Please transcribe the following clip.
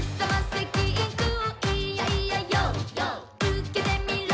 「受けてみろ！